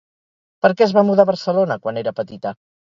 Per què es va mudar a Barcelona quan era petita?